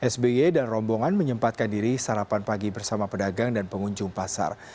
sby dan rombongan menyempatkan diri sarapan pagi bersama pedagang dan pengunjung pasar